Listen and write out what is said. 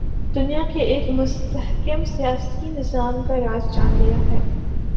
دنیا نے ایک مستحکم سیاسی نظام کا راز جان لیا ہے۔